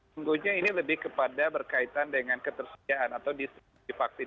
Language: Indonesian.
tentunya ini lebih kepada berkaitan dengan ketersediaan atau distribusi vaksin